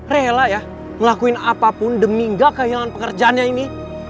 rela ya ngelakuin apapun demi gak kehilangan pekerjaannya ini